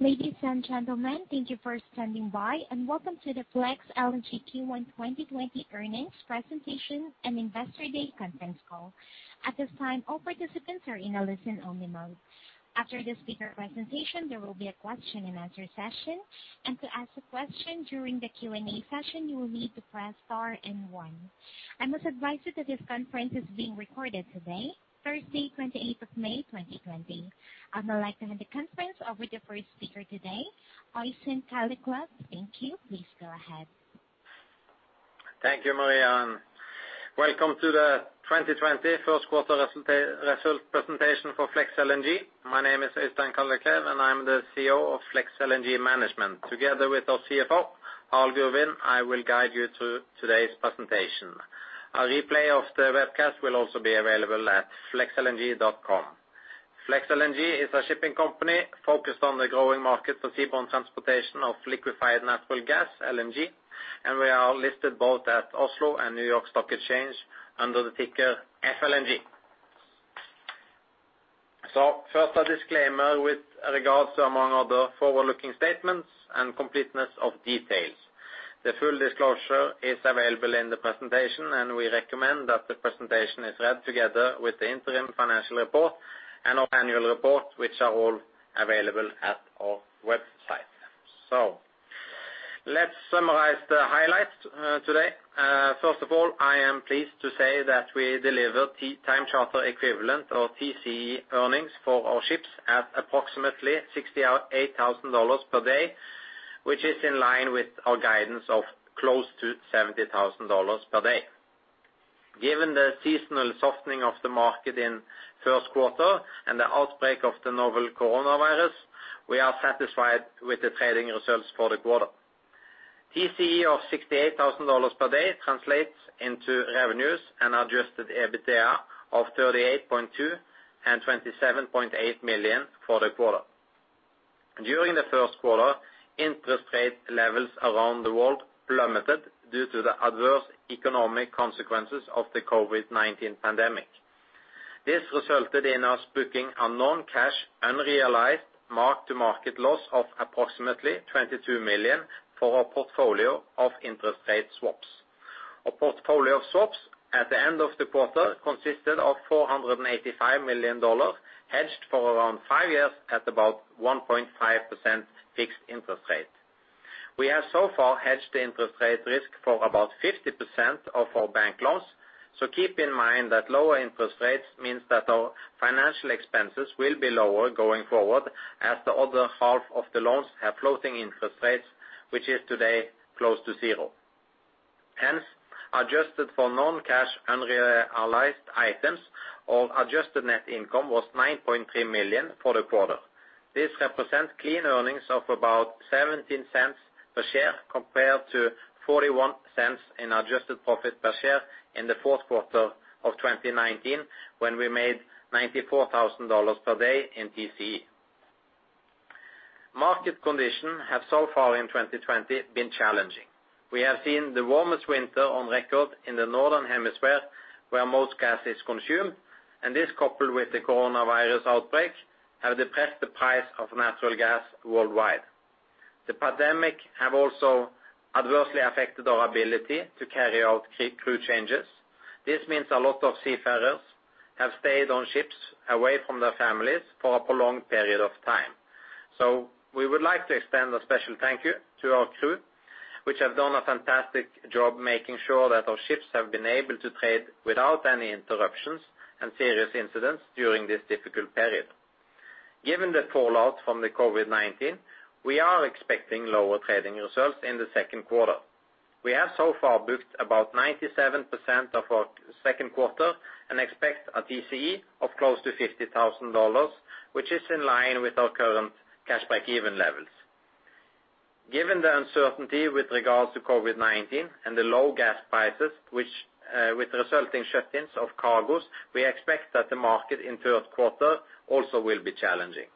Ladies and gentlemen, thank you for standing by, and welcome to the FLEX LNG Q1 2020 earnings presentation and Investor Day conference call. At this time, all participants are in a listen-only mode. After the speaker presentation, there will be a question-and-answer session, and to ask a question during the Q&A session, you will need to press star and one. I must advise you that this conference is being recorded today, Thursday, 28th of May, 2020. I'm delighted to hand the conference over to the first speaker today, Øystein Kalleklev. Thank you. Please go ahead. Thank you, Marianne. Welcome to the 2020 first quarter result presentation for FLEX LNG. My name is Øystein Kalleklev, and I'm the CEO of FLEX LNG Management. Together with our CFO, Harald Gurvin, I will guide you through today's presentation. A replay of the webcast will also be available at flexlng.com. FLEX LNG is a shipping company focused on the growing market for seaborne transportation of liquefied natural gas, LNG, and we are listed both at Oslo Stock Exchange and New York Stock Exchange under the ticker FLNG. First, a disclaimer with regards to among other forward-looking statements and completeness of details. The full disclosure is available in the presentation, and we recommend that the presentation is read together with the interim financial report and our annual report, which are all available at our website. Let's summarize the highlights today. First of all, I am pleased to say that we delivered time-charter equivalent, or TCE, earnings for our ships at approximately $68,000 per day, which is in line with our guidance of close to $70,000 per day. Given the seasonal softening of the market in first quarter and the outbreak of the novel coronavirus, we are satisfied with the trading results for the quarter. TCE of $68,000 per day translates into revenues and adjusted EBITDA of $38.2 million and $27.8 million for the quarter. During the first quarter, interest rate levels around the world plummeted due to the adverse economic consequences of the COVID-19 pandemic. This resulted in us booking a non-cash, unrealized mark-to-market loss of approximately $22 million for our portfolio of interest rate swaps. Our portfolio of swaps at the end of the quarter consisted of $485 million hedged for around five years at about 1.5% fixed interest rate. We have so far hedged the interest rate risk for about 50% of our bank loans, so keep in mind that lower interest rates mean that our financial expenses will be lower going forward as the other half of the loans have floating interest rates, which is today close to zero. Hence, adjusted for non-cash, unrealized items, our adjusted net income was $9.3 million for the quarter. This represents clean earnings of about $0.17 per share compared to $0.41 in adjusted profit per share in the fourth quarter of 2019, when we made $94,000 per day in TCE. Market conditions have so far in 2020 been challenging. We have seen the warmest winter on record in the Northern Hemisphere, where most gas is consumed, and this, coupled with the coronavirus outbreak, has depressed the price of natural gas worldwide. The pandemic has also adversely affected our ability to carry out crew changes. This means a lot of seafarers have stayed on ships away from their families for a prolonged period of time. So, we would like to extend a special thank you to our crew, which have done a fantastic job making sure that our ships have been able to trade without any interruptions and serious incidents during this difficult period. Given the fallout from the COVID-19, we are expecting lower trading results in the second quarter. We have so far booked about 97% of our second quarter and expect a TCE of close to $50,000, which is in line with our current cash break-even levels. Given the uncertainty with regards to COVID-19 and the low gas prices, which result in shut-ins of cargoes, we expect that the market in third quarter also will be challenging.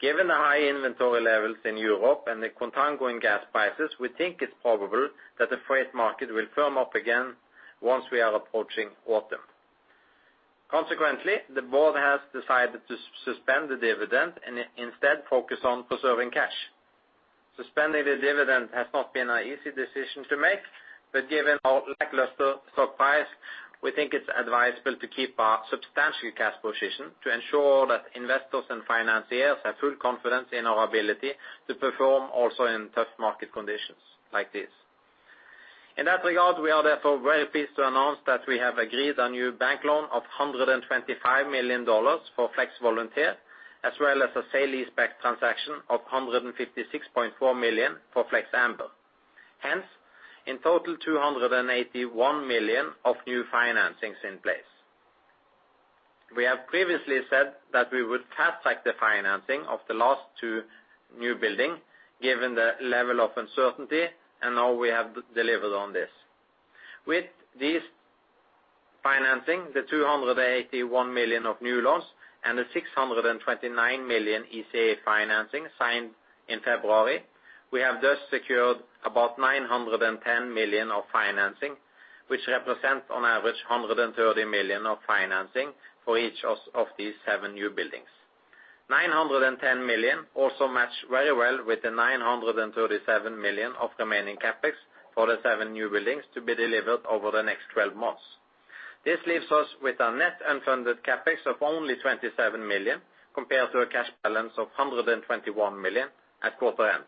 Given the high inventory levels in Europe and the contango in gas prices, we think it's probable that the freight market will firm up again once we are approaching autumn. Consequently, the board has decided to suspend the dividend and instead focus on preserving cash. Suspending the dividend has not been an easy decision to make, but given our lackluster stock price, we think it's advisable to keep our substantial cash position to ensure that investors and financiers have full confidence in our ability to perform also in tough market conditions like these. In that regard, we are therefore very pleased to announce that we have agreed on a new bank loan of $125 million for FLEX Volunteer, as well as a sale-leaseback transaction of $156.4 million for FLEX Amber. Hence, in total, $281 million of new financing is in place. We have previously said that we would fast-track the financing of the last two newbuildings given the level of uncertainty, and now we have delivered on this. With this financing, the $281 million of new loans and the $629 million ECA financing signed in February, we have thus secured about $910 million of financing, which represents on average $130 million of financing for each of these seven newbuildings. $910 million also matched very well with the $937 million of remaining CapEx for the seven newbuildings to be delivered over the next 12 months. This leaves us with a net unfunded CapEx of only $27 million compared to a cash balance of $121 million at quarter end.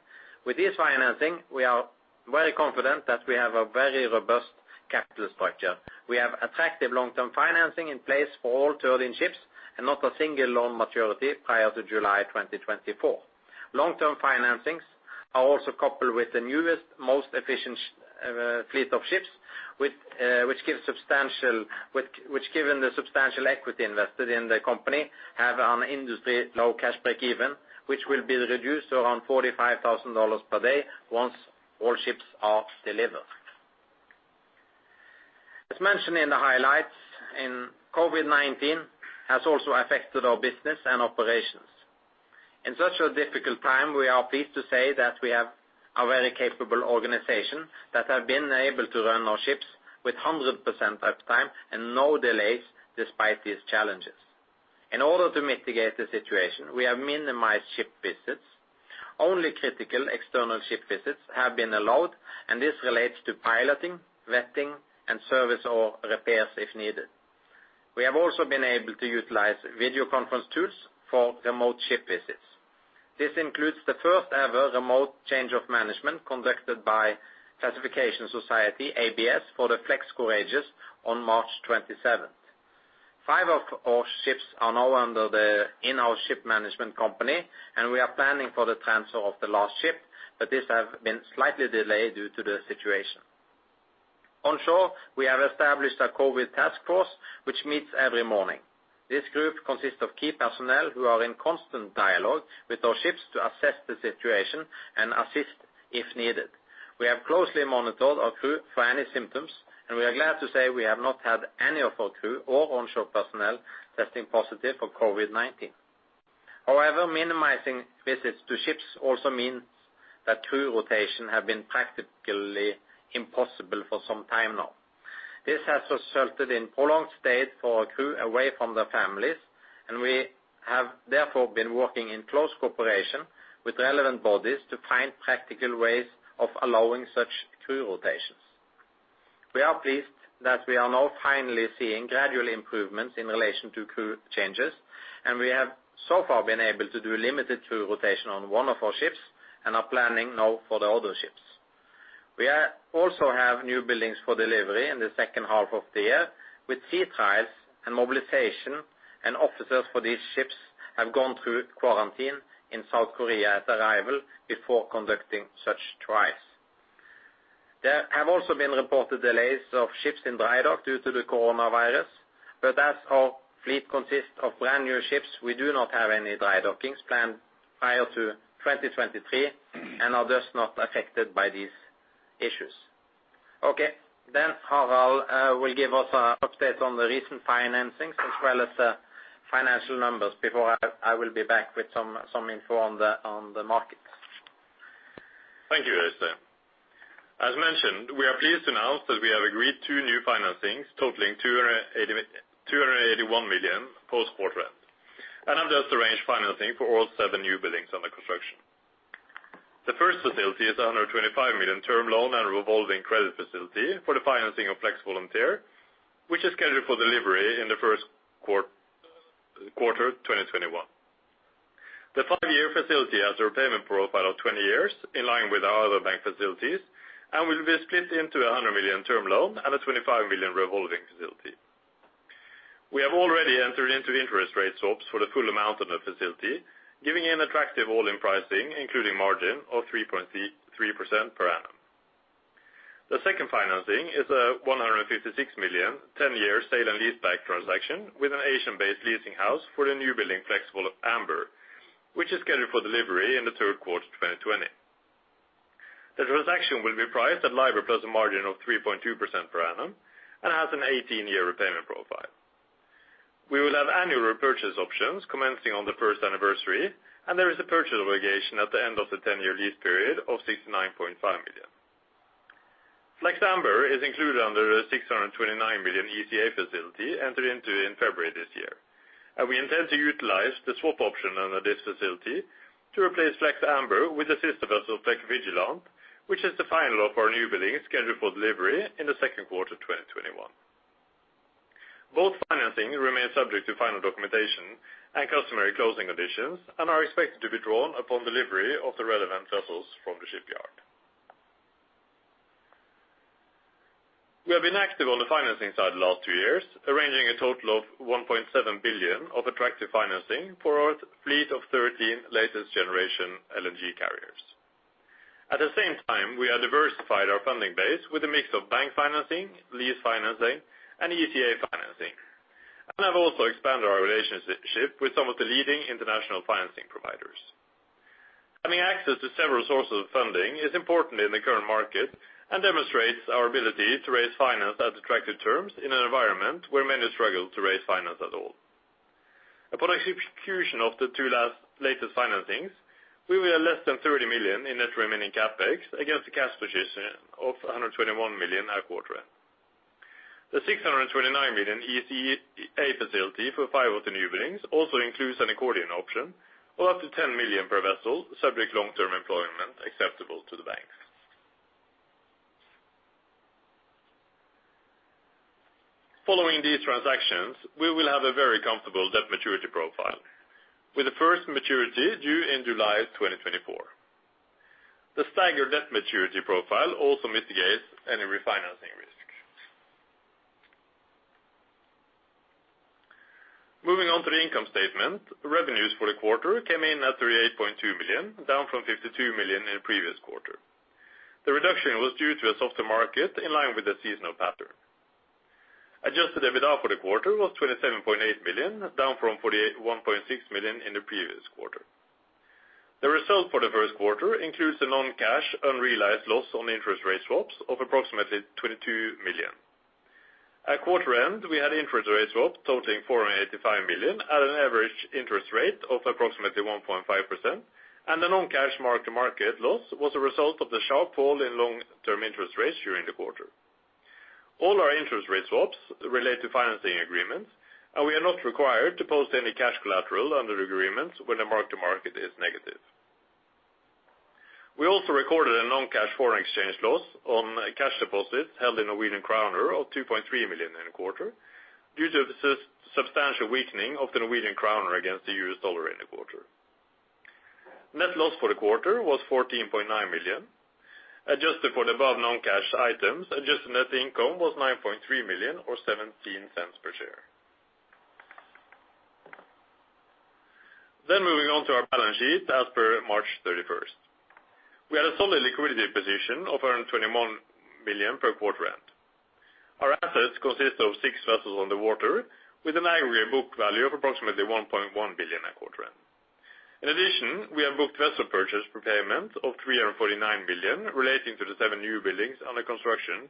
With this financing, we are very confident that we have a very robust capital structure. We have attractive long-term financing in place for all 13 ships and not a single loan maturity prior to July 2024. Long-term financings are also coupled with the newest, most efficient fleet of ships, which, given the substantial equity invested in the company, have an industry low cash break-even, which will be reduced to around $45,000 per day once all ships are delivered. As mentioned in the highlights, COVID-19 has also affected our business and operations. In such a difficult time, we are pleased to say that we have a very capable organization that has been able to run our ships with 100% uptime and no delays despite these challenges. In order to mitigate the situation, we have minimized ship visits. Only critical external ship visits have been allowed, and this relates to piloting, vetting, and service or repairs if needed. We have also been able to utilize video conference tools for remote ship visits. This includes the first-ever remote change of management conducted by classification society ABS for the FLEX Courageous on March 27th. Five of our ships are now under the in-house ship management company, and we are planning for the transfer of the last ship, but this has been slightly delayed due to the situation. Onshore, we have established a COVID task force which meets every morning. This group consists of key personnel who are in constant dialogue with our ships to assess the situation and assist if needed. We have closely monitored our crew for any symptoms, and we are glad to say we have not had any of our crew or onshore personnel testing positive for COVID-19. However, minimizing visits to ships also means that crew rotation has been practically impossible for some time now. This has resulted in prolonged stays for our crew away from their families, and we have therefore been working in close cooperation with relevant bodies to find practical ways of allowing such crew rotations. We are pleased that we are now finally seeing gradual improvements in relation to crew changes, and we have so far been able to do limited crew rotation on one of our ships and are planning now for the other ships. We also have newbuildings for delivery in the second half of the year, with sea trials and mobilization, and officers for these ships have gone through quarantine in South Korea at arrival before conducting such trials. There have also been reported delays of ships in dry dock due to the coronavirus, but as our fleet consists of brand new ships, we do not have any dry dockings planned prior to 2023 and are thus not affected by these issues. Okay, then Harald will give us an update on the recent financings as well as the financial numbers before I will be back with some info on the markets. Thank you, Øystein. As mentioned, we are pleased to announce that we have agreed to new financings totaling $281 million post-quarter end, and have thus arranged financing for all seven newbuildings under construction. The first facility is a $125 million term loan and revolving credit facility for the financing of FLEX Volunteer, which is scheduled for delivery in the first quarter 2021. The five-year facility has a repayment profile of 20 years, in line with our other bank facilities, and will be split into a $100 million term loan and a $25 million revolving facility. We have already entered into interest rate swaps for the full amount on the facility, giving an attractive all-in pricing, including margin of 3.3% per annum. The second financing is a $156 million 10-year sale-leaseback transaction with an Asian-based leasing house for the new building FLEX Amber, which is scheduled for delivery in the third quarter 2020. The transaction will be priced at LIBOR plus a margin of 3.2% per annum and has an 18-year repayment profile. We will have annual repurchase options commencing on the first anniversary, and there is a purchase obligation at the end of the 10-year lease period of $69.5 million. FLEX Amber is included under the $629 million ECA facility entered into in February this year, and we intend to utilize the swap option under this facility to replace FLEX Amber with the sister vessel FLEX Vigilant, which is the final of our newbuildings scheduled for delivery in the second quarter 2021. Both financings remain subject to final documentation and customary closing conditions and are expected to be drawn upon delivery of the relevant vessels from the shipyard. We have been active on the financing side the last two years, arranging a total of $1.7 billion of attractive financing for our fleet of 13 latest generation LNG carriers. At the same time, we have diversified our funding base with a mix of bank financing, lease financing, and ECA financing, and have also expanded our relationship with some of the leading international financing providers. Having access to several sources of funding is important in the current market and demonstrates our ability to raise finance at attractive terms in an environment where many struggle to raise finance at all. Upon execution of the two latest financings, we will have less than $30 million in net remaining CapEx against a cash position of $121 million at quarter end. The $629 million ECA facility for five of the newbuildings also includes an accordion option of up to $10 million per vessel, subject to long-term employment acceptable to the bank. Following these transactions, we will have a very comfortable debt maturity profile, with the first maturity due in July 2024. The staggered debt maturity profile also mitigates any refinancing risk. Moving on to the income statement, revenues for the quarter came in at $38.2 million, down from $52 million in the previous quarter. The reduction was due to a softer market in line with the seasonal pattern. Adjusted EBITDA for the quarter was $27.8 million, down from $41.6 million in the previous quarter. The result for the first quarter includes a non-cash unrealized loss on interest rate swaps of approximately $22 million. At quarter end, we had interest rate swaps totaling $485 million at an average interest rate of approximately 1.5%, and the non-cash mark-to-market loss was a result of the sharp fall in long-term interest rates during the quarter. All our interest rate swaps relate to financing agreements, and we are not required to post any cash collateral under the agreements when the mark-to-market is negative. We also recorded a non-cash foreign exchange loss on cash deposits held in the Norwegian Krone of $2.3 million in the quarter due to a substantial weakening of the Norwegian Krone against the U.S. dollar in the quarter. Net loss for the quarter was $14.9 million. Adjusted for the above non-cash items, adjusted net income was $9.3 million or $0.17 per share. Then, moving on to our balance sheet as per March 31st, we had a solid liquidity position of $121 million at quarter end. Our assets consist of six vessels in the water, with an aggregate book value of approximately $1.1 billion at quarter end. In addition, we have booked vessel purchase repayment of $349 million relating to the seven newbuildings under construction,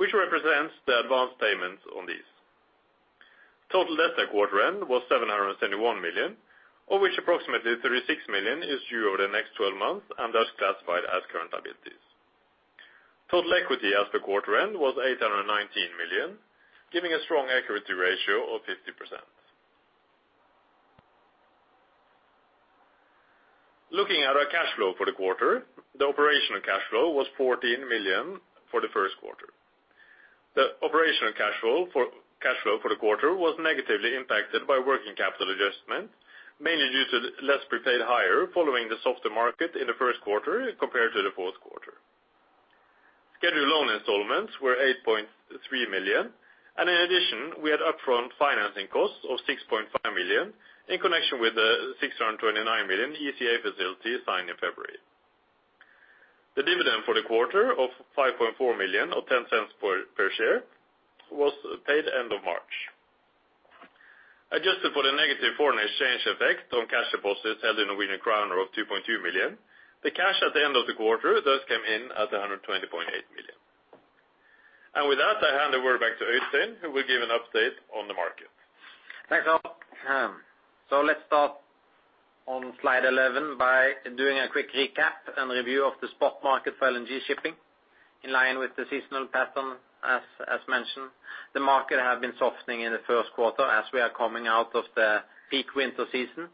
which represents the advance payments on these. Total debt at quarter end was $771 million, of which approximately $36 million is due over the next 12 months and thus classified as current liabilities. Total equity as per quarter end was $819 million, giving a strong equity ratio of 50%. Looking at our cash flow for the quarter, the operational cash flow was $14 million for the first quarter. The operational cash flow for the quarter was negatively impacted by working capital adjustment, mainly due to less prepaid hire following the softer market in the first quarter compared to the fourth quarter. Scheduled loan installments were $8.3 million, and in addition, we had upfront financing costs of $6.5 million in connection with the $629 million ECA facility signed in February. The dividend for the quarter of $5.4 million or $0.10 per share was paid end of March. Adjusted for the negative foreign exchange effect on cash deposits held in the Norwegian Krone of $2.2 million, the cash at the end of the quarter thus came in at $120.8 million. With that, I hand the word back to Øystein, who will give an update on the market. Thanks, Harald. So let's start on slide 11 by doing a quick recap and review of the spot market for LNG shipping. In line with the seasonal pattern, as mentioned, the market has been softening in the first quarter as we are coming out of the peak winter season.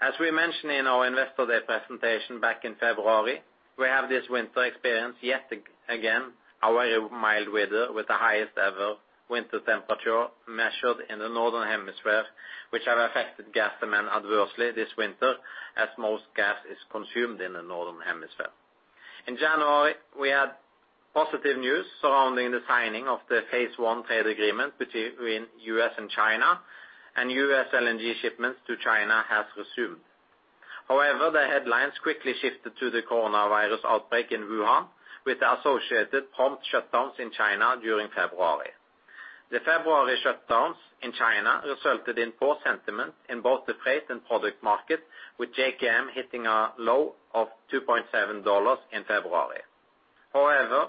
As we mentioned in our Investor Day presentation back in February, we have this winter experience yet again, our mild weather with the highest ever winter temperature measured in the Northern Hemisphere, which has affected gas demand adversely this winter, as most gas is consumed in the Northern Hemisphere. In January, we had positive news surrounding the signing of the Phase I trade agreement between the U.S. and China, and U.S. LNG shipments to China have resumed. However, the headlines quickly shifted to the coronavirus outbreak in Wuhan, with the associated prompt shutdowns in China during February. The February shutdowns in China resulted in poor sentiment in both the freight and product market, with JKM hitting a low of $2.7 in February. However,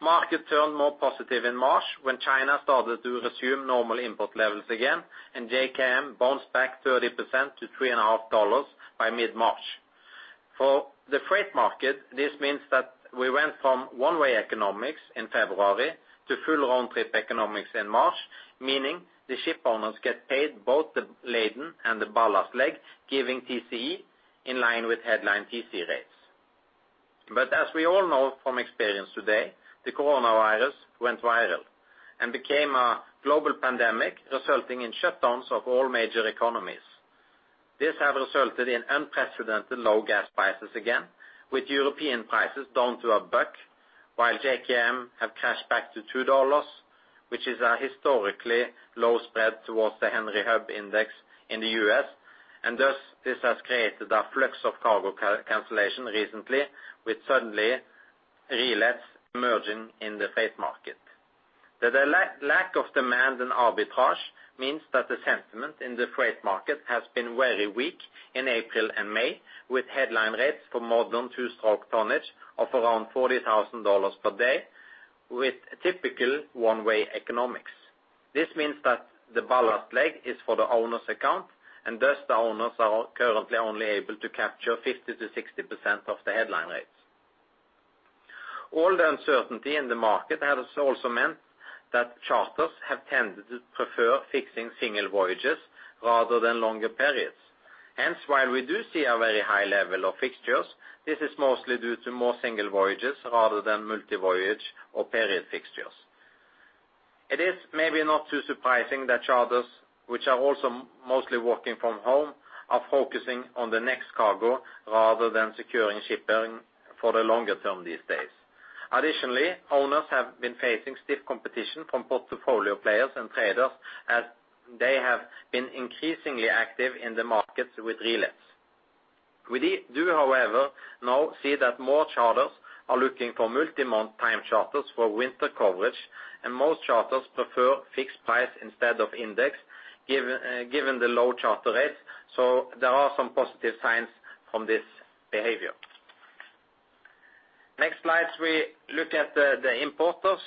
markets turned more positive in March when China started to resume normal import levels again, and JKM bounced back 30% to $3.5 by mid-March. For the freight market, this means that we went from one-way economics in February to full round-trip economics in March, meaning the shipowners get paid both the laden and the ballast leg, giving TCE in line with headline TC rates. But as we all know from experience today, the coronavirus went viral and became a global pandemic, resulting in shutdowns of all major economies. This has resulted in unprecedented low gas prices again, with European prices down to $1, while JKM has crashed back to $2, which is a historically low spread towards the Henry Hub index in the U.S., and thus this has created a flurry of cargo cancellations recently, with no sudden relief emerging in the freight market. The lack of demand and arbitrage means that the sentiment in the freight market has been very weak in April and May, with headline rates for modern two-stroke tonnage of around $40,000 per day, with typical one-way economics. This means that the ballast leg is for the owner's account, and thus the owners are currently only able to capture 50%-60% of the headline rates. All the uncertainty in the market has also meant that charters have tended to prefer fixing single voyages rather than longer periods. Hence, while we do see a very high level of fixtures, this is mostly due to more single voyages rather than multi-voyage or period fixtures. It is maybe not too surprising that charters, which are also mostly working from home, are focusing on the next cargo rather than securing shipping for the longer term these days. Additionally, owners have been facing stiff competition from portfolio players and traders, as they have been increasingly active in the markets with relet. We do, however, now see that more charters are looking for multi-month time charters for winter coverage, and most charters prefer fixed price instead of index, given the low charter rates, so there are some positive signs from this behavior. Next slide, we look at the importers.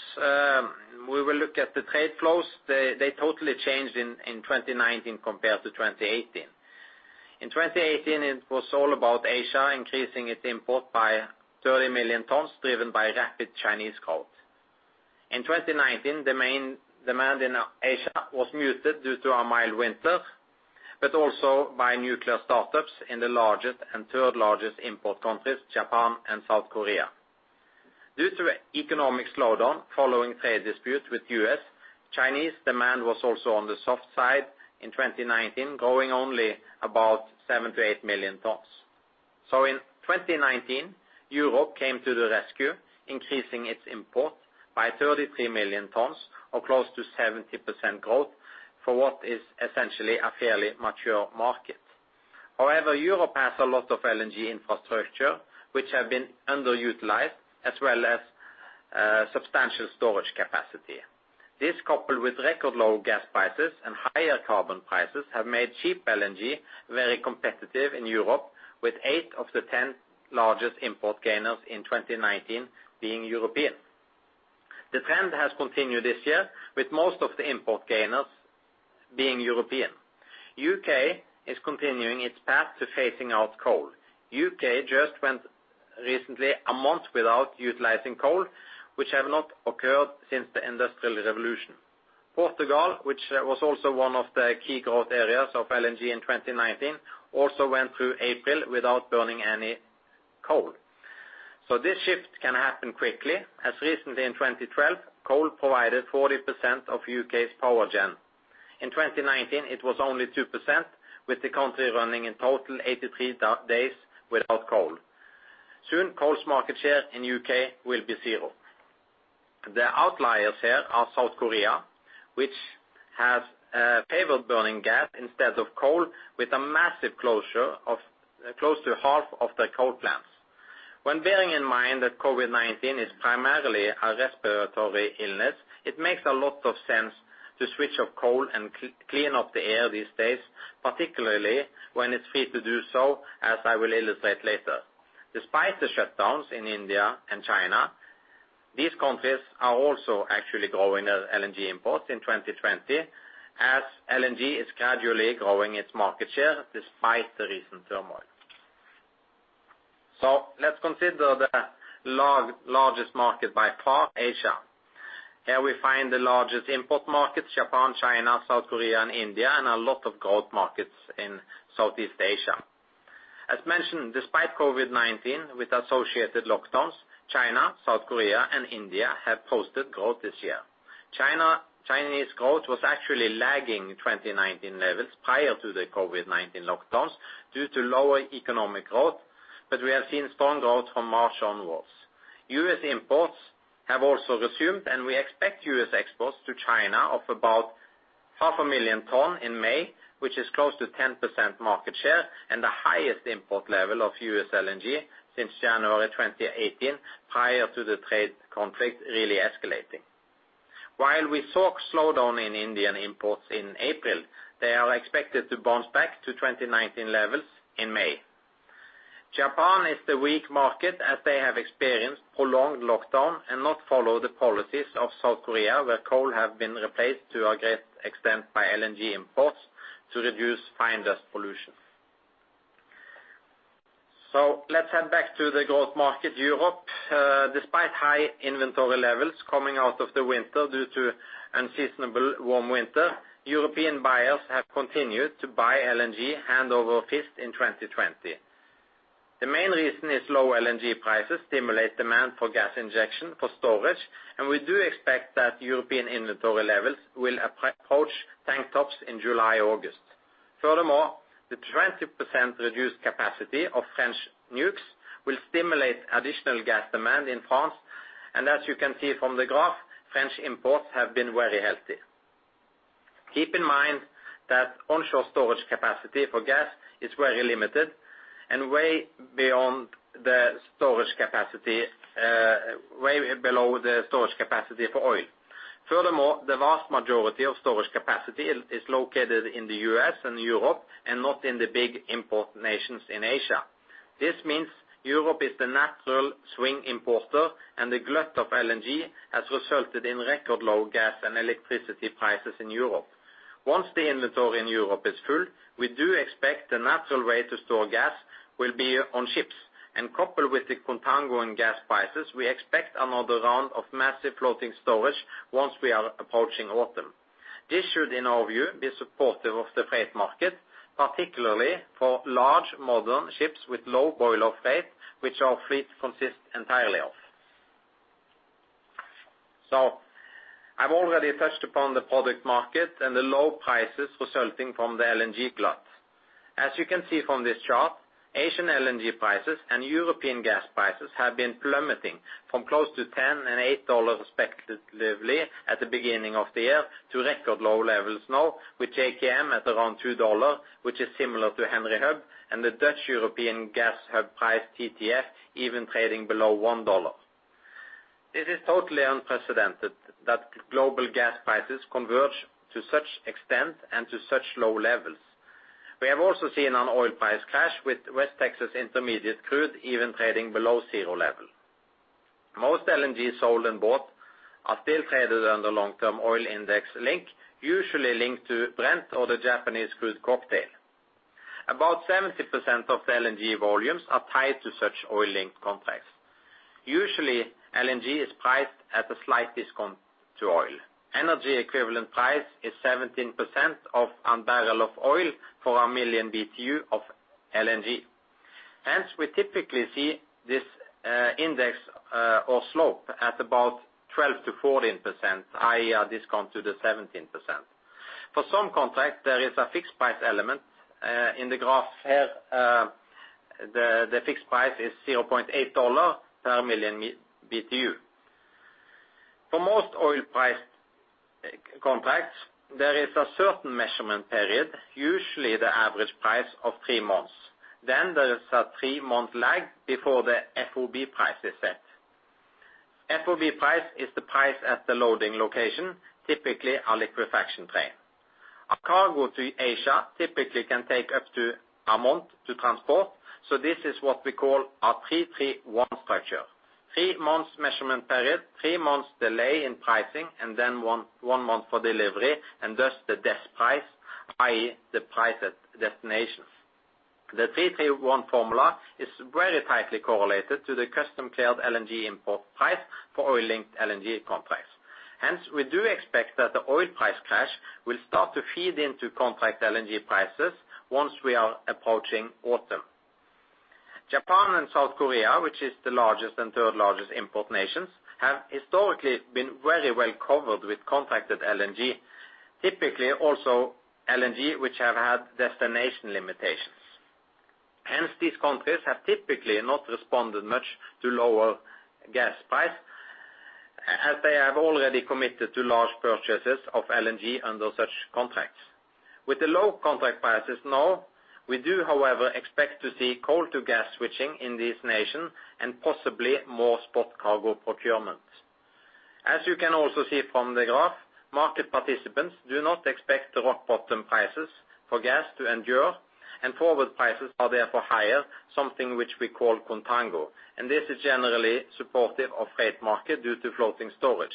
We will look at the trade flows. They totally changed in 2019 compared to 2018. In 2018, it was all about Asia, increasing its import by 30 million tons, driven by rapid Chinese growth. In 2019, the main demand in Asia was muted due to a mild winter, but also by nuclear startups in the largest and third-largest import countries, Japan and South Korea. Due to economic slowdown following trade disputes with the U.S., Chinese demand was also on the soft side in 2019, growing only about seven to eight million tons. So in 2019, Europe came to the rescue, increasing its import by 33 million tons, or close to 70% growth for what is essentially a fairly mature market. However, Europe has a lot of LNG infrastructure, which has been underutilized, as well as substantial storage capacity. This, coupled with record low gas prices and higher carbon prices, has made cheap LNG very competitive in Europe, with eight of the 10 largest import gainers in 2019 being European. The trend has continued this year, with most of the import gainers being European. The U.K. is continuing its path to phasing out coal. The U.K. just went recently a month without utilizing coal, which has not occurred since the Industrial Revolution. Portugal, which was also one of the key growth areas of LNG in 2019, also went through April without burning any coal. So this shift can happen quickly, as recently in 2012, coal provided 40% of the U.K.'s power gen. In 2019, it was only 2%, with the country running in total 83 days without coal. Soon, coal's market share in the U.K. will be zero. The outliers here are South Korea, which has favored burning gas instead of coal, with a massive closure of close to half of their coal plants. When bearing in mind that COVID-19 is primarily a respiratory illness, it makes a lot of sense to switch off coal and clean up the air these days, particularly when it's free to do so, as I will illustrate later. Despite the shutdowns in India and China, these countries are also actually growing their LNG imports in 2020, as LNG is gradually growing its market share despite the recent turmoil. So let's consider the largest market by far, Asia. Here we find the largest import markets: Japan, China, South Korea, and India, and a lot of growth markets in Southeast Asia. As mentioned, despite COVID-19 with associated lockdowns, China, South Korea, and India have posted growth this year. Chinese growth was actually lagging 2019 levels prior to the COVID-19 lockdowns due to lower economic growth, but we have seen strong growth from March onwards. U.S. imports have also resumed, and we expect U.S. exports to China of about 500,000 tons in May, which is close to 10% market share and the highest import level of U.S. LNG since January 2018, prior to the trade conflict really escalating. While we saw a slowdown in Indian imports in April, they are expected to bounce back to 2019 levels in May. Japan is the weak market, as they have experienced prolonged lockdown and not followed the policies of South Korea, where coal has been replaced to a great extent by LNG imports to reduce fine dust pollution, so let's head back to the growth market, Europe. Despite high inventory levels coming out of the winter due to unseasonably warm winter, European buyers have continued to buy LNG hand over fist in 2020. The main reason is low LNG prices stimulate demand for gas injection for storage, and we do expect that European inventory levels will approach tank tops in July-August. Furthermore, the 20% reduced capacity of French nukes will stimulate additional gas demand in France, and as you can see from the graph, French imports have been very healthy. Keep in mind that onshore storage capacity for gas is very limited and way below the storage capacity for oil. Furthermore, the vast majority of storage capacity is located in the U.S. and Europe and not in the big import nations in Asia. This means Europe is the natural swing importer, and the glut of LNG has resulted in record low gas and electricity prices in Europe. Once the inventory in Europe is full, we do expect the natural way to store gas will be on ships, and coupled with the contango in gas prices, we expect another round of massive floating storage once we are approaching autumn. This should, in our view, be supportive of the freight market, particularly for large modern ships with low boil-off rate, which our fleet consists entirely of. So I've already touched upon the product market and the low prices resulting from the LNG glut. As you can see from this chart, Asian LNG prices and European gas prices have been plummeting from close to $10 and $8 respectively at the beginning of the year to record low levels now, with JKM at around $2, which is similar to Henry Hub, and the Dutch European gas hub price TTF even trading below $1. This is totally unprecedented that global gas prices converge to such extent and to such low levels. We have also seen an oil price crash with West Texas Intermediate Crude even trading below zero level. Most LNG sold and bought are still traded under long-term oil index link, usually linked to Brent or the Japan Crude Cocktail. About 70% of the LNG volumes are tied to such oil-linked contracts. Usually, LNG is priced at a slight discount to oil. Energy equivalent price is 17% of a barrel of oil for a million BTU of LNG. Hence, we typically see this index or slope at about 12%-14%, i.e., a discount to the 17%. For some contracts, there is a fixed price element. In the graph here, the fixed price is $0.8 per million BTU. For most oil-priced contracts, there is a certain measurement period, usually the average price of three months. Then there is a three-month lag before the FOB price is set. FOB price is the price at the loading location, typically a liquefaction train. A cargo to Asia typically can take up to a month to transport, so this is what we call a 3-3-1 structure. Three months measurement period, three months delay in pricing, and then one month for delivery, and thus the DES price, i.e., the price at destinations. The 3-3-1 formula is very tightly correlated to the customs-cleared LNG import price for oil-linked LNG contracts. Hence, we do expect that the oil price crash will start to feed into contract LNG prices once we are approaching autumn. Japan and South Korea, which are the largest and third-largest import nations, have historically been very well covered with contracted LNG, typically also LNG which have had destination limitations. Hence, these countries have typically not responded much to lower gas price, as they have already committed to large purchases of LNG under such contracts. With the low contract prices now, we do, however, expect to see coal-to-gas switching in these nations and possibly more spot cargo procurement. As you can also see from the graph, market participants do not expect the rock bottom prices for gas to endure, and forward prices are therefore higher, something which we call contango, and this is generally supportive of the freight market due to floating storage.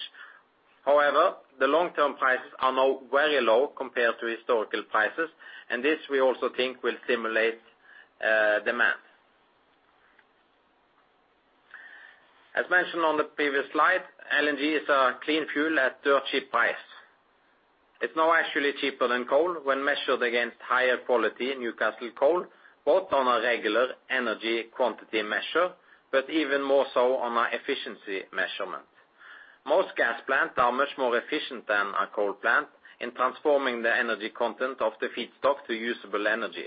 However, the long-term prices are now very low compared to historical prices, and this we also think will stimulate demand. As mentioned on the previous slide, LNG is a clean fuel at dirt cheap price. It's now actually cheaper than coal when measured against higher quality Newcastle coal, both on a regular energy quantity measure, but even more so on an efficiency measurement. Most gas plants are much more efficient than a coal plant in transforming the energy content of the feedstock to usable energy.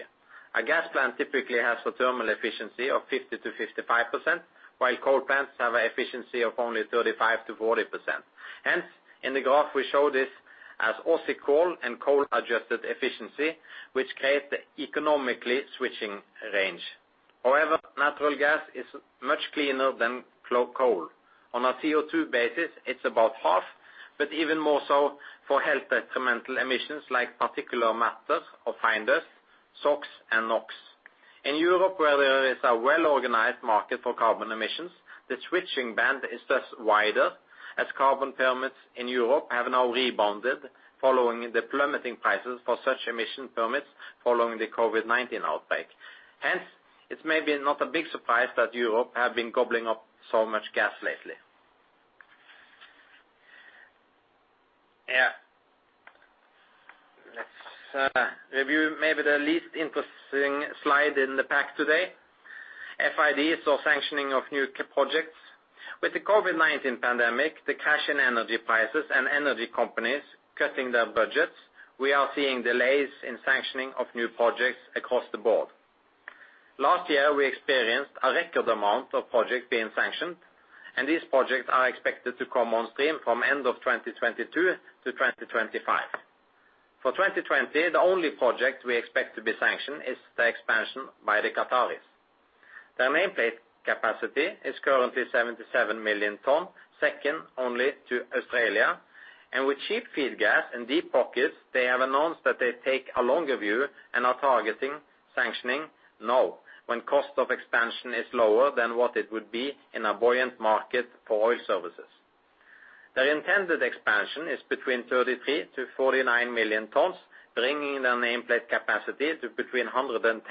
A gas plant typically has a thermal efficiency of 50%-55%, while coal plants have an efficiency of only 35%-40%. Hence, in the graph, we show this as Aussie coal and coal-adjusted efficiency, which creates the economically switching range. However, natural gas is much cleaner than coal. On a CO2 basis, it's about half, but even more so for health detrimental emissions like particulate matter or fine dust, SOx, and NOx. In Europe, where there is a well-organized market for carbon emissions, the switching band is thus wider, as carbon permits in Europe have now rebounded following the plummeting prices for such emission permits following the COVID-19 outbreak. Hence, it's maybe not a big surprise that Europe has been gobbling up so much gas lately. Yeah. Let's review maybe the least interesting slide in the pack today. FIDs or sanctioning of new projects. With the COVID-19 pandemic, the crash in energy prices and energy companies cutting their budgets, we are seeing delays in sanctioning of new projects across the board. Last year, we experienced a record amount of projects being sanctioned, and these projects are expected to come on stream from the end of 2022 to 2025. For 2020, the only project we expect to be sanctioned is the expansion by the Qataris. Their nameplate capacity is currently 77 million tons, second only to Australia, and with cheap feed gas and deep pockets, they have announced that they take a longer view and are targeting sanctioning now when the cost of expansion is lower than what it would be in a buoyant market for oil services. Their intended expansion is between 33 to 49 million tons, bringing their nameplate capacity to between 110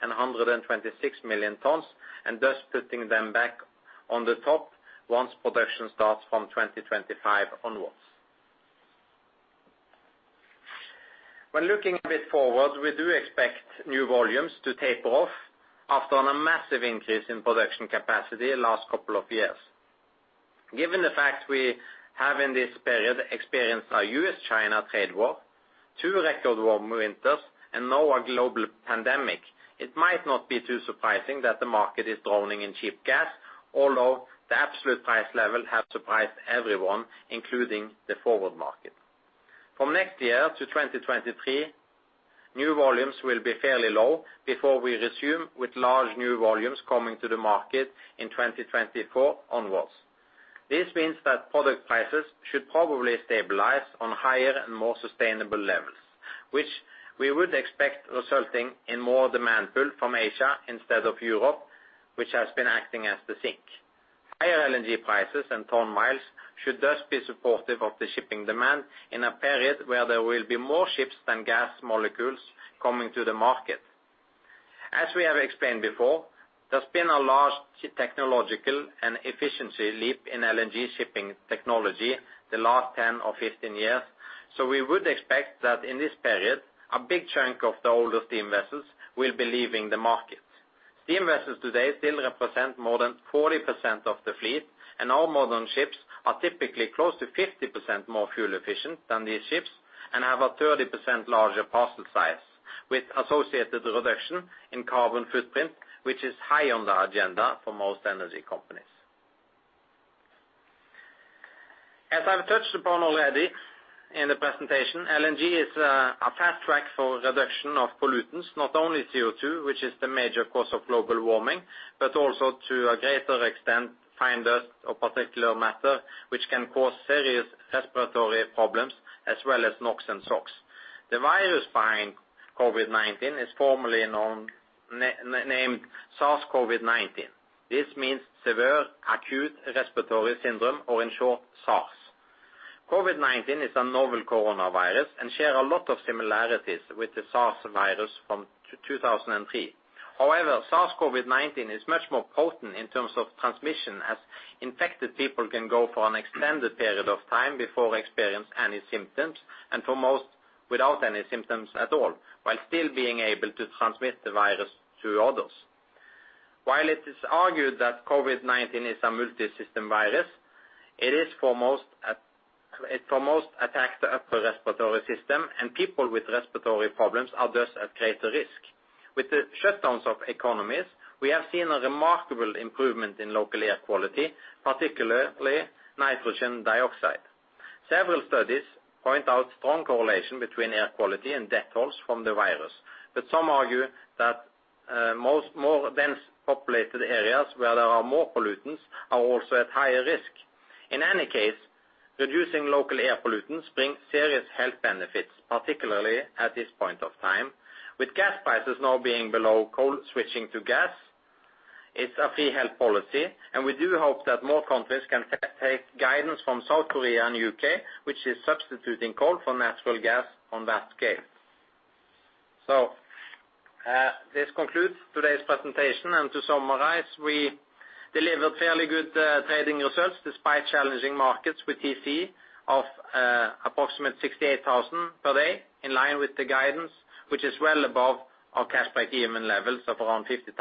and 126 million tons, and thus putting them back on the top once production starts from 2025 onwards. When looking a bit forward, we do expect new volumes to taper off after a massive increase in production capacity in the last couple of years. Given the fact we have in this period experienced a U.S.-China trade war, two record warm winters, and now a global pandemic, it might not be too surprising that the market is drowning in cheap gas, although the absolute price level has surprised everyone, including the forward market. From next year to 2023, new volumes will be fairly low before we resume with large new volumes coming to the market in 2024 onwards. This means that product prices should probably stabilize on higher and more sustainable levels, which we would expect resulting in more demand pull from Asia instead of Europe, which has been acting as the sink. Higher LNG prices and ton miles should thus be supportive of the shipping demand in a period where there will be more ships than gas molecules coming to the market. As we have explained before, there's been a large technological and efficiency leap in LNG shipping technology the last 10 or 15 years, so we would expect that in this period, a big chunk of the older steam vessels will be leaving the market. Steam vessels today still represent more than 40% of the fleet, and our modern ships are typically close to 50% more fuel efficient than these ships and have a 30% larger parcel size, with associated reduction in carbon footprint, which is high on the agenda for most energy companies. As I've touched upon already in the presentation, LNG is a fast track for reduction of pollutants, not only CO2, which is the major cause of global warming, but also to a greater extent fine dust or particulate matter, which can cause serious respiratory problems as well as NOx and SOx. The virus behind COVID-19 is formally named SARS-CoV-2. This means Severe Acute Respiratory Syndrome, or in short, SARS. COVID-19 is a novel coronavirus and shares a lot of similarities with the SARS virus from 2003. However, SARS-CoV-2 is much more potent in terms of transmission, as infected people can go for an extended period of time before experiencing any symptoms and for most without any symptoms at all, while still being able to transmit the virus to others. While it is argued that COVID-19 is a multisystem virus, it foremost attacks the upper respiratory system, and people with respiratory problems are thus at greater risk. With the shutdowns of economies, we have seen a remarkable improvement in local air quality, particularly nitrogen dioxide. Several studies point out strong correlation between air quality and death tolls from the virus, but some argue that more dense populated areas where there are more pollutants are also at higher risk. In any case, reducing local air pollutants brings serious health benefits, particularly at this point of time, with gas prices now being below coal switching to gas. It's a free health policy, and we do hope that more countries can take guidance from South Korea and the U.K., which is substituting coal for natural gas on that scale. So this concludes today's presentation, and to summarize, we delivered fairly good trading results despite challenging markets with TC of approximately $68,000 per day, in line with the guidance, which is well above our cash break-even levels of around $50,000.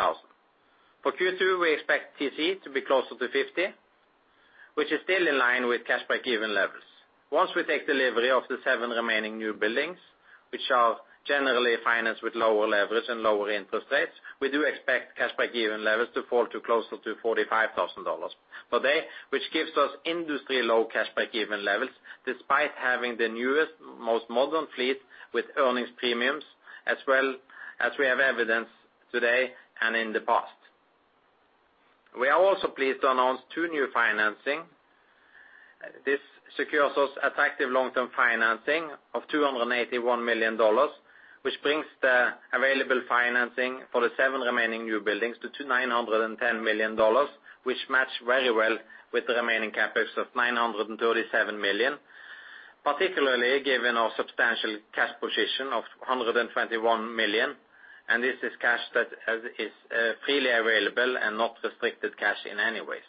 For Q2, we expect TC to be closer to $50,000, which is still in line with cash break-even levels. Once we take delivery of the seven remaining newbuildings, which are generally financed with lower leverage and lower interest rates, we do expect cash break-even levels to fall to closer to $45,000 per day, which gives us industry-low cash break-even levels despite having the newest, most modern fleet with earnings premiums, as well as we have evidence today and in the past. We are also pleased to announce two new financing. This secures us attractive long-term financing of $281 million, which brings the available financing for the seven remaining newbuildings to $910 million, which match very well with the remaining CapEx of $937 million, particularly given our substantial cash position of $121 million, and this is cash that is freely available and not restricted cash in any ways.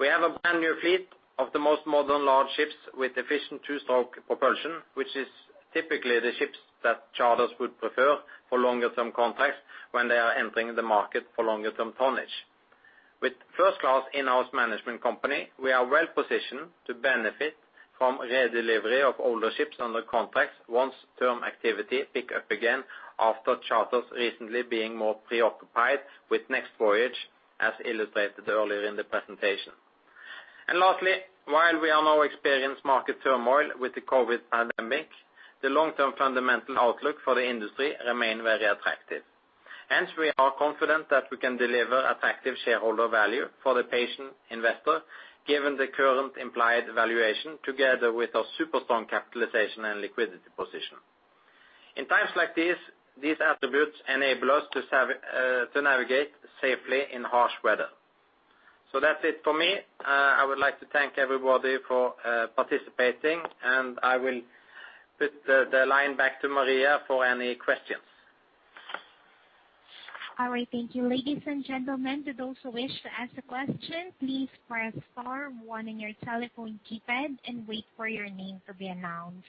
We have a brand new fleet of the most modern large ships with efficient two-stroke propulsion, which is typically the ships that charters would prefer for longer-term contracts when they are entering the market for longer-term tonnage. With first-class in-house management company, we are well positioned to benefit from re-delivery of older ships under contracts once term activity picks up again after charters recently being more preoccupied with next voyage, as illustrated earlier in the presentation. And lastly, while we are now experiencing market turmoil with the COVID pandemic, the long-term fundamental outlook for the industry remains very attractive. Hence, we are confident that we can deliver attractive shareholder value for the patient investor, given the current implied valuation together with our super-strong capitalization and liquidity position. In times like these, these attributes enable us to navigate safely in harsh weather. So that's it for me. I would like to thank everybody for participating, and I will put the line back to Marianne for any questions. All right. Thank you. Ladies and gentlemen, to those who wish to ask a question, please press star one in your telephone keypad and wait for your name to be announced.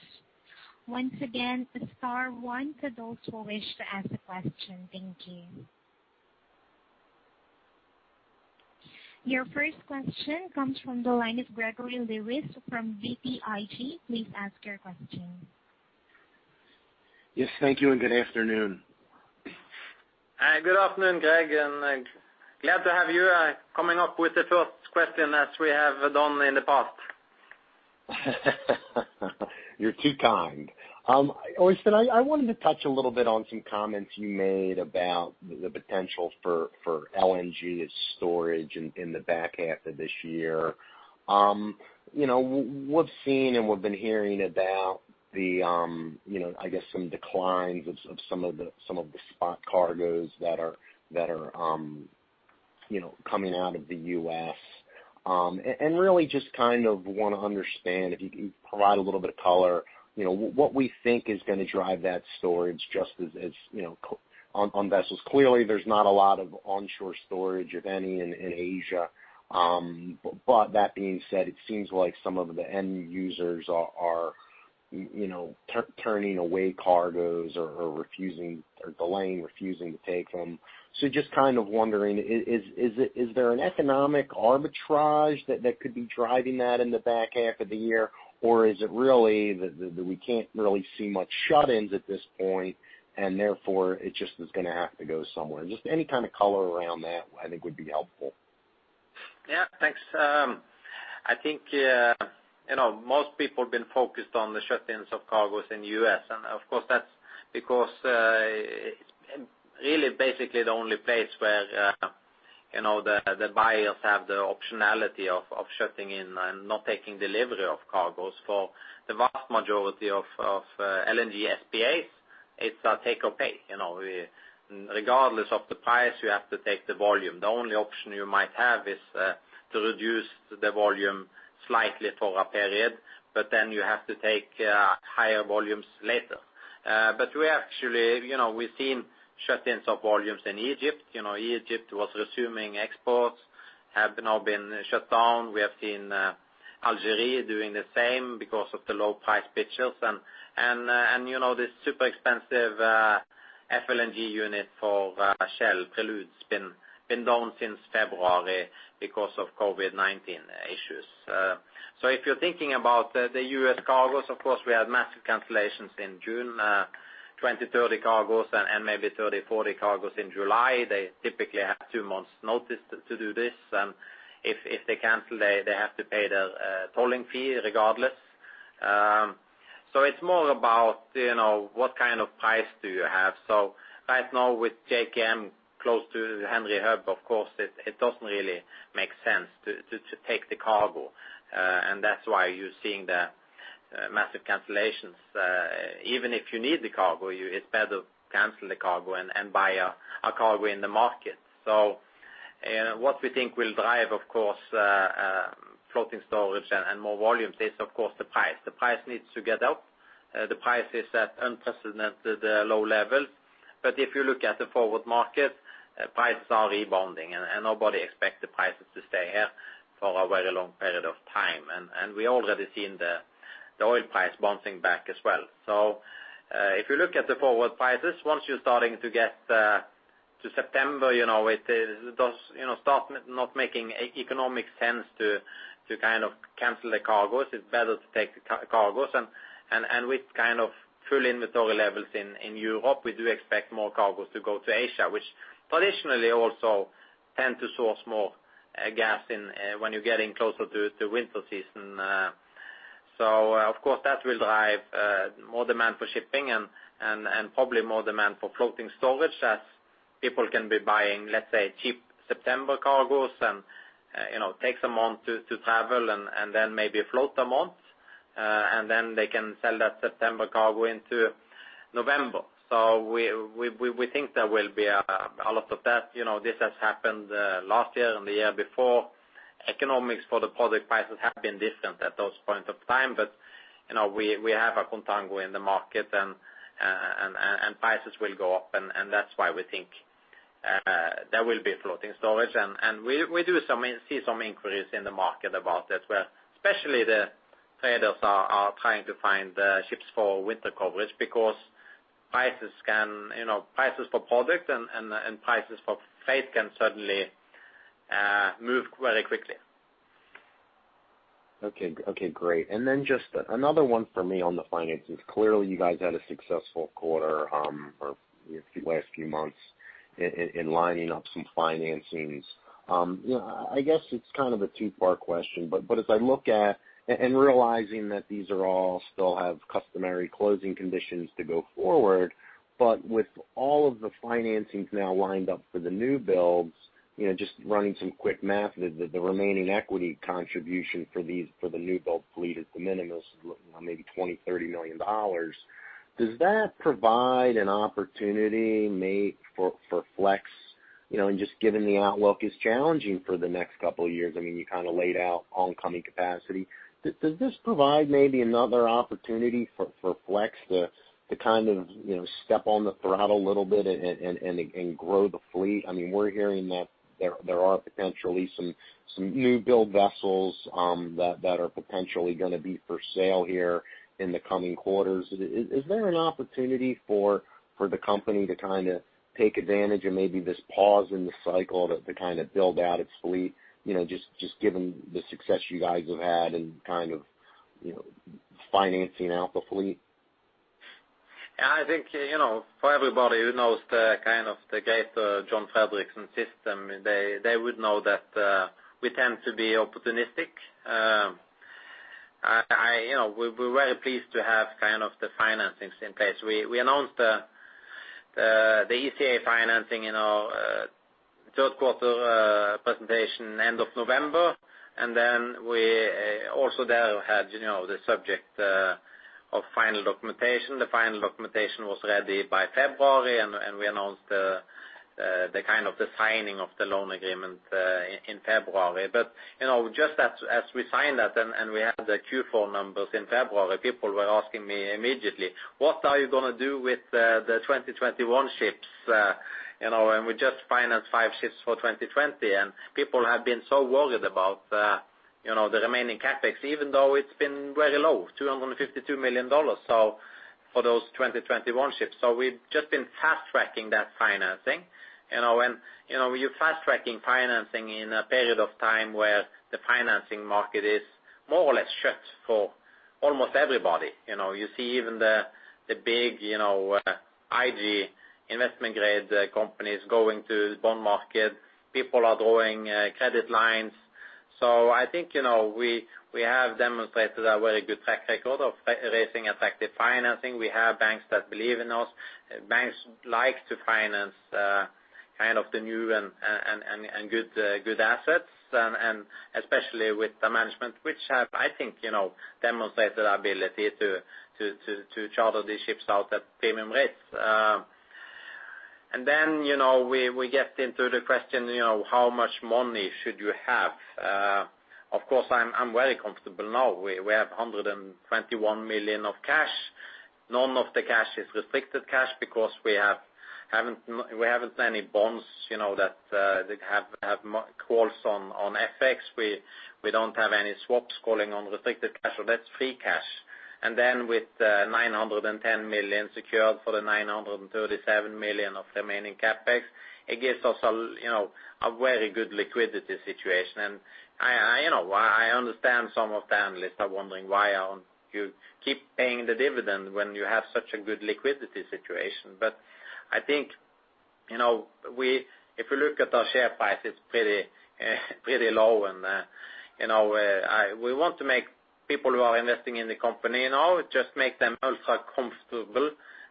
Once again, star one to those who wish to ask a question. Thank you. Your first question comes from the line of Gregory Lewis from BTIG. Please ask your question. Yes, thank you, and good afternoon. Hi, good afternoon, Greg, and glad to have you coming up with the first question as we have done in the past. You're too kind. Øystein, I wanted to touch a little bit on some comments you made about the potential for LNG storage in the back half of this year. We've seen and we've been hearing about the, I guess, some declines of some of the spot cargoes that are coming out of the U.S., and really just kind of want to understand, if you can provide a little bit of color, what we think is going to drive that storage just as on vessels. Clearly, there's not a lot of onshore storage, if any, in Asia, but that being said, it seems like some of the end users are turning away cargoes or delaying, refusing to take them. So just kind of wondering, is there an economic arbitrage that could be driving that in the back half of the year, or is it really that we can't really see much shut-ins at this point, and therefore it just is going to have to go somewhere? Just any kind of color around that, I think, would be helpful. Yeah, thanks. I think most people have been focused on the shut-ins of cargoes in the U.S., and of course, that's because really, basically, the only place where the buyers have the optionality of shutting in and not taking delivery of cargoes for the vast majority of LNG SPAs, it's a take-or-pay. Regardless of the price, you have to take the volume. The only option you might have is to reduce the volume slightly for a period, but then you have to take higher volumes later. But we actually have seen shut-ins of volumes in Egypt. Egypt was resuming exports, have now been shut down. We have seen Algeria doing the same because of the low-price pictures, and this super expensive FLNG unit for Shell, Prelude FLNG, has been down since February because of COVID-19 issues. So if you're thinking about the U.S. cargoes, of course, we had massive cancellations in June, 20, 30 cargoes, and maybe 30, 40 cargoes in July. They typically have two months' notice to do this, and if they cancel, they have to pay their tolling fee regardless. So it's more about what kind of price do you have. So right now, with JKM close to Henry Hub, of course, it doesn't really make sense to take the cargo, and that's why you're seeing the massive cancellations. Even if you need the cargo, it's better to cancel the cargo and buy a cargo in the market. So what we think will drive, of course, floating storage and more volumes is, of course, the price. The price needs to get up. The price is at unprecedented low levels, but if you look at the forward market, prices are rebounding, and nobody expects the prices to stay here for a very long period of time, and we've already seen the oil price bouncing back as well, so if you look at the forward prices, once you're starting to get to September, it does start not making economic sense to kind of cancel the cargoes. It's better to take the cargoes, and with kind of full inventory levels in Europe, we do expect more cargoes to go to Asia, which traditionally also tend to source more gas when you're getting closer to winter season. So of course, that will drive more demand for shipping and probably more demand for floating storage as people can be buying, let's say, cheap September cargoes and take some months to travel and then maybe float a month, and then they can sell that September cargo into November. So we think there will be a lot of that. This has happened last year and the year before. Economics for the product prices have been different at those points of time, but we have a contango in the market, and prices will go up, and that's why we think there will be floating storage. And we do see some inquiries in the market about it, where especially the traders are trying to find ships for winter coverage because prices for product and prices for freight can suddenly move very quickly. Okay, great. And then just another one for me on the finances. Clearly, you guys had a successful quarter or the last few months in lining up some financings. I guess it's kind of a two-part question, but as I look at and realizing that these are all still have customary closing conditions to go forward, but with all of the financings now lined up for the new builds, just running some quick math, the remaining equity contribution for the new build fleet is the minimum, maybe $20-$30 million. Does that provide an opportunity for FLEX, just given the outlook is challenging for the next couple of years? I mean, you kind of laid out oncoming capacity. Does this provide maybe another opportunity for FLEX to kind of step on the throttle a little bit and grow the fleet? I mean, we're hearing that there are potentially some new build vessels that are potentially going to be for sale here in the coming quarters. Is there an opportunity for the company to kind of take advantage of maybe this pause in the cycle to kind of build out its fleet, just given the success you guys have had in kind of financing out the fleet? Yeah, I think probably you would know kind of the whole, John Fredriksen system. They would know that we tend to be opportunistic. We're very pleased to have kind of the financings in place. We announced the ECA financing in our third-quarter presentation end of November, and then we also then had the subject to final documentation. The final documentation was ready by February, and we announced the kind of the signing of the loan agreement in February. But just as we signed that and we had the Q4 numbers in February, people were asking me immediately, "What are you going to do with the 2021 ships?" And we just financed five ships for 2020, and people have been so worried about the remaining CapEx, even though it's been very low, $252 million for those 2021 ships. So we've just been fast-tracking that financing, and you're fast-tracking financing in a period of time where the financing market is more or less shut for almost everybody. You see even the big IG investment-grade companies going to the bond market. People are drawing credit lines. So I think we have demonstrated a very good track record of raising attractive financing. We have banks that believe in us. Banks like to finance kind of the new and good assets, and especially with the management, which have, I think, demonstrated the ability to charter these ships out at premium rates. And then we get into the question, "How much money should you have?" Of course, I'm very comfortable now. We have $121 million of cash. None of the cash is restricted cash because we haven't any bonds that have calls on FLEX. We don't have any swaps calling on restricted cash, so that's free cash. And then with $910 million secured for the $937 million of remaining CapEx, it gives us a very good liquidity situation. And I understand some of the analysts are wondering, "Why aren't you keep paying the dividend when you have such a good liquidity situation?" But I think if we look at our share price, it's pretty low, and we want to make people who are investing in the company now, just make them ultra comfortable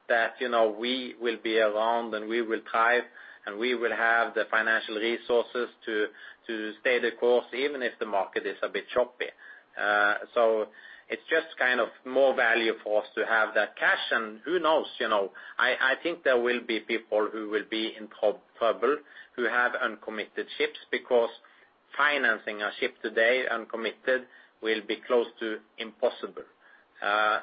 that we will be around and we will thrive, and we will have the financial resources to stay the course even if the market is a bit choppy. So it's just kind of more value for us to have that cash, and who knows? I think there will be people who will be in trouble who have uncommitted ships because financing a ship today uncommitted will be close to impossible. And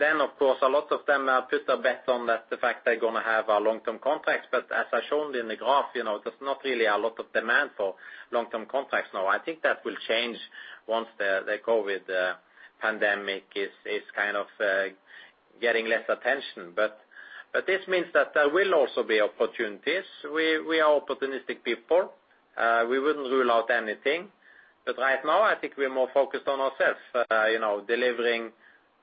then, of course, a lot of them put a bet on the fact they're going to have long-term contracts, but as I showed in the graph, there's not really a lot of demand for long-term contracts now. I think that will change once the COVID pandemic is kind of getting less attention. But this means that there will also be opportunities. We are opportunistic people. We wouldn't rule out anything, but right now, I think we're more focused on ourselves, delivering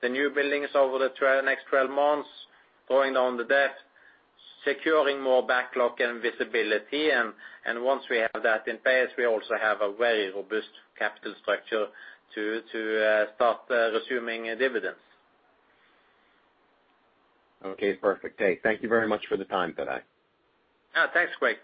the newbuildings over the next 12 months, drawing down the debt, securing more backlog and visibility. And once we have that in place, we also have a very robust capital structure to start resuming dividends. Okay, perfect. Hey, thank you very much for the time today. Yeah, thanks, Greg.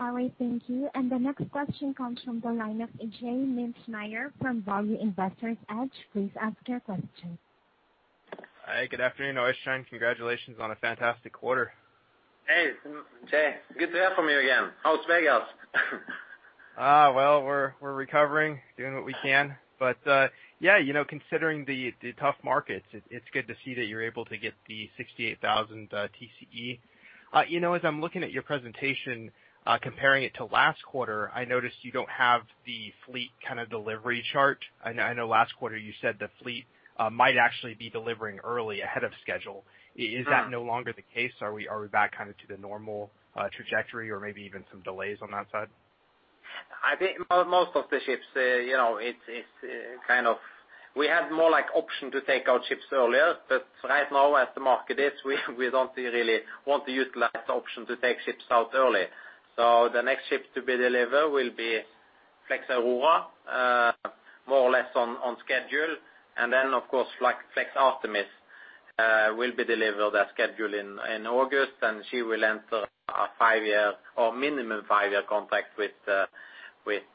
All right, thank you. The next question comes from the line of Jay Mintzmeyer from Value Investor's Edge. Please ask your question. Hi, good afternoon, Øystein. Congratulations on a fantastic quarter. Hey, Jay. Good to hear from you again. How's Vegas? Well, we're recovering, doing what we can. But yeah, considering the tough markets, it's good to see that you're able to get the 68,000 TCE. As I'm looking at your presentation, comparing it to last quarter, I noticed you don't have the fleet kind of delivery chart. I know last quarter you said the fleet might actually be delivering early ahead of schedule. Is that no longer the case? Are we back kind of to the normal trajectory or maybe even some delays on that side? I think most of the ships, it's kind of we had more like option to take out ships earlier, but right now, as the market is, we don't really want to utilize the option to take ships out early. So the next ship to be delivered will be Flex Aurora, more or less on schedule, and then, of course, Flex Artemis will be delivered as scheduled in August, and she will enter a five-year or minimum five-year contract with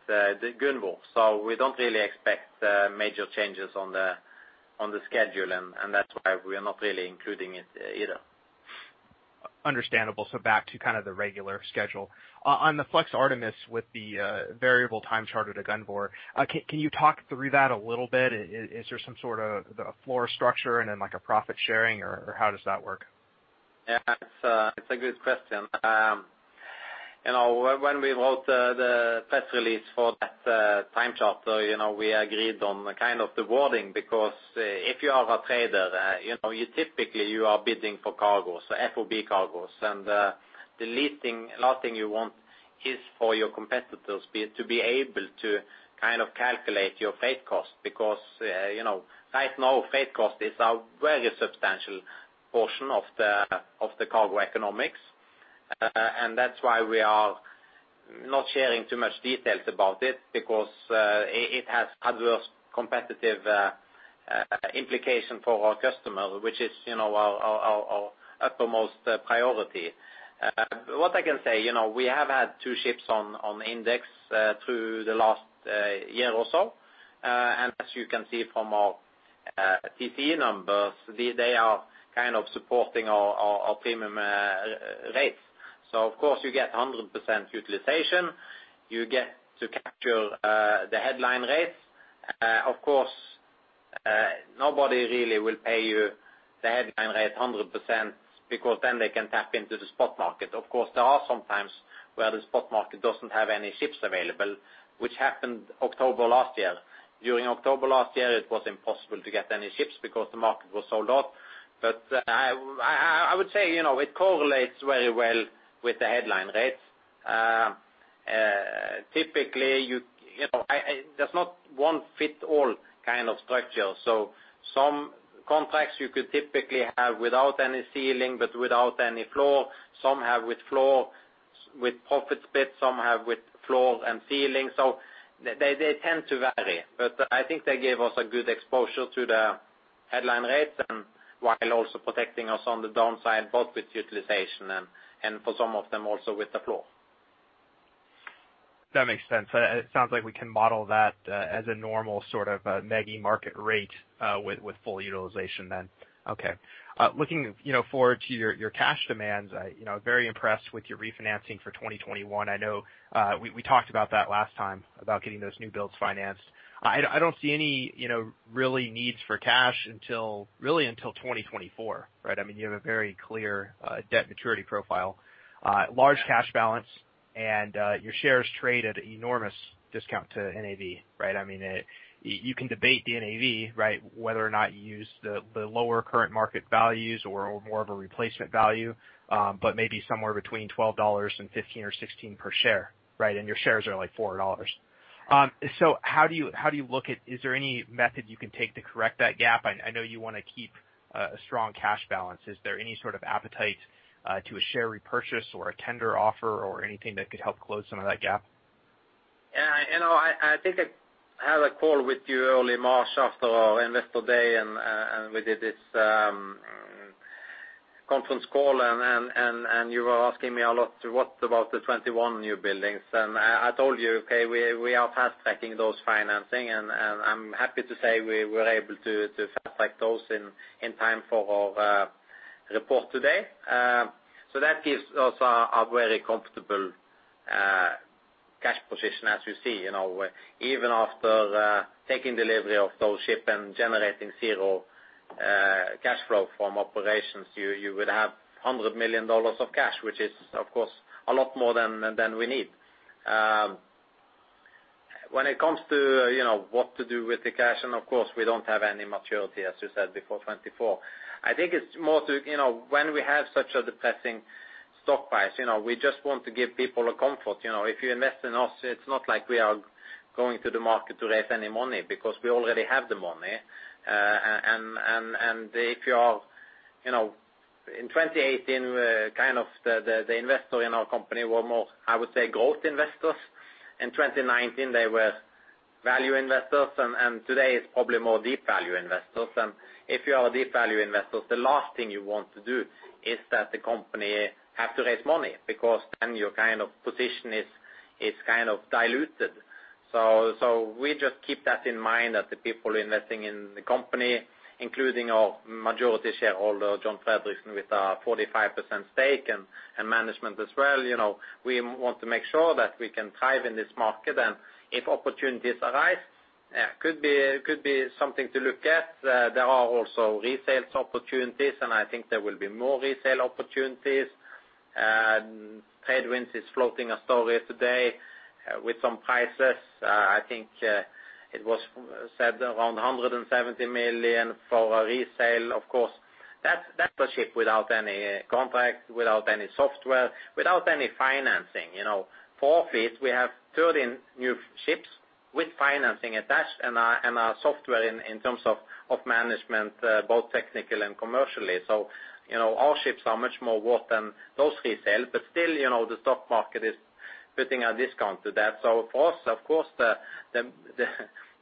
Gunvor. So we don't really expect major changes on the schedule, and that's why we're not really including it either. Understandable. So back to kind of the regular schedule. On the Flex Artemis with the variable time charter with Gunvor, can you talk through that a little bit? Is there some sort of floor structure and then a profit sharing, or how does that work? Yeah, it's a good question. When we wrote the press release for that time charter, we agreed on kind of the wording because if you are a trader, typically you are bidding for cargo, so FOB cargos, and the last thing you want is for your competitors to be able to kind of calculate your freight cost because right now, freight cost is a very substantial portion of the cargo economics. And that's why we are not sharing too much details about it because it has adverse competitive implications for our customers, which is our uppermost priority. What I can say, we have had two ships on index through the last year or so, and as you can see from our TCE numbers, they are kind of supporting our premium rates. So of course, you get 100% utilization. You get to capture the headline rates. Of course, nobody really will pay you the headline rate 100% because then they can tap into the spot market. Of course, there are sometimes where the spot market doesn't have any ships available, which happened October last year. During October last year, it was impossible to get any ships because the market was sold out. But I would say it correlates very well with the headline rates. Typically, there's not one-size-fits-all kind of structure. So some contracts you could typically have without any ceiling but without any floor. Some have with floor with profit split, some have with floor and ceiling. So they tend to vary, but I think they gave us a good exposure to the headline rates and while also protecting us on the downside both with utilization and for some of them also with the floor. That makes sense. It sounds like we can model that as a normal sort of MEGI market rate with full utilization then. Okay. Looking forward to your cash demands, very impressed with your refinancing for 2021. I know we talked about that last time, about getting those new builds financed. I don't see any real needs for cash really until 2024, right? I mean, you have a very clear debt maturity profile, large cash balance, and your shares traded at an enormous discount to NAV, right? I mean, you can debate the NAV, right, whether or not you use the lower current market values or more of a replacement value, but maybe somewhere between $12-$15 or $16 per share, right? And your shares are like $4. So how do you look at is there any method you can take to correct that gap? I know you want to keep a strong cash balance. Is there any sort of appetite to a share repurchase or a tender offer or anything that could help close some of that gap? Yeah. I think I had a call with you early March after our investor day, and we did this conference call, and you were asking me a lot, "What about the 21 newbuildings?" And I told you, "Okay, we are fast-tracking those financing," and I'm happy to say we were able to fast-track those in time for our report today. So that gives us a very comfortable cash position, as you see. Even after taking delivery of those ships and generating zero cash flow from operations, you would have $100 million of cash, which is, of course, a lot more than we need. When it comes to what to do with the cash, and of course, we don't have any maturity, as you said before, 2024. I think it's more to when we have such a depressing stock price, we just want to give people a comfort. If you invest in us, it's not like we are going to the market to raise any money because we already have the money. And if you are in 2018, kind of the investor in our company were more, I would say, growth investors. In 2019, they were value investors, and today it's probably more deep value investors. And if you are deep value investors, the last thing you want to do is that the company has to raise money because then your kind of position is kind of diluted. We just keep that in mind that the people investing in the company, including our majority shareholder, John Fredriksen, with a 45% stake and management as well, we want to make sure that we can thrive in this market. And if opportunities arise, it could be something to look at. There are also resale opportunities, and I think there will be more resale opportunities. TradeWinds is floating a story today with some prices. I think it was said around $170 million for a resale. Of course, that's a ship without any contract, without any software, without any financing. For our fleet, we have 13 new ships with financing attached and our software in terms of management, both technical and commercially. So our ships are much more worth than those resale, but still, the stock market is putting a discount to that. So for us, of course, the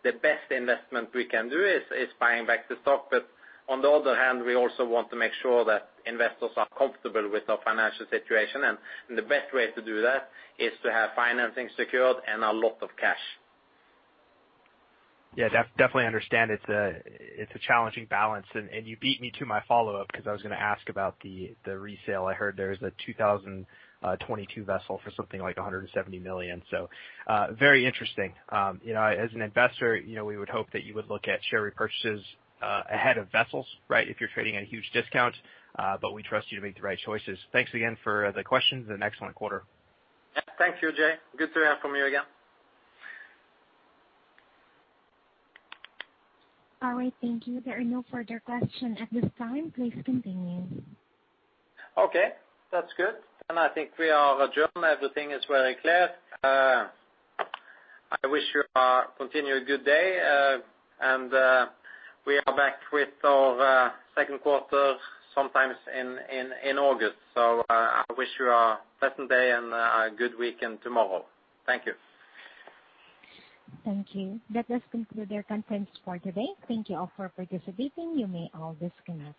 best investment we can do is buying back the stock. But on the other hand, we also want to make sure that investors are comfortable with our financial situation, and the best way to do that is to have financing secured and a lot of cash. Yeah, definitely understand. It's a challenging balance, and you beat me to my follow-up because I was going to ask about the resale. I heard there's a 2022 vessel for something like $170 million. So very interesting. As an investor, we would hope that you would look at share repurchases ahead of vessels, right, if you're trading at a huge discount, but we trust you to make the right choices. Thanks again for the questions and an excellent quarter. Yeah, thank you, Jay. Good to hear from you again. All right, thank you. There are no further questions at this time. Please continue. Okay, that's good. And I think we are adjourned. Everything is very clear. I wish you a continued good day, and we are back with our second quarter sometime in August. So I wish you a pleasant day and a good weekend tomorrow. Thank you. Thank you. That does conclude our contents for today. Thank you all for participating. You may all disconnect.